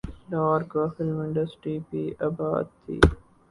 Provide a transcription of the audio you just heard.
لاہور کی film industry بھی آباد تھی۔